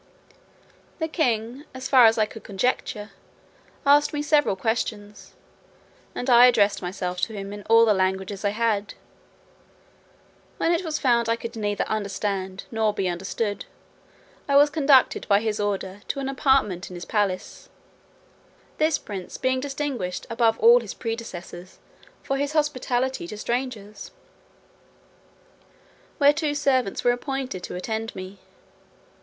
The king, as far as I could conjecture, asked me several questions, and I addressed myself to him in all the languages I had. When it was found I could neither understand nor be understood, I was conducted by his order to an apartment in his palace (this prince being distinguished above all his predecessors for his hospitality to strangers), where two servants were appointed to attend me.